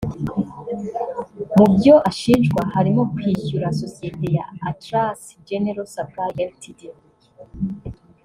Mu byo ashinjwa harimo kwishyura sosiyete ya Atlas General Supply Ltd